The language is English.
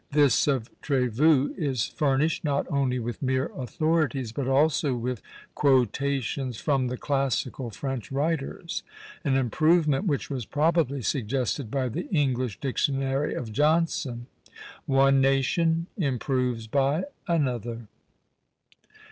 this of Trevoux is furnished, not only with mere authorities, but also with quotations from the classical French writers an improvement which was probably suggested by the English Dictionary of Johnson. One nation improves by another.